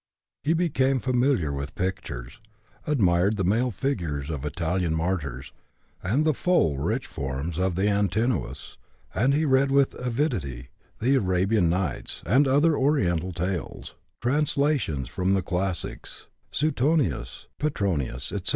He became familiar with pictures, admired the male figures of Italian martyrs, and the full, rich forms of the Antinous, and he read with avidity the Arabian Nights and other Oriental tales, translations from the classics, Suetonius, Petronius, etc.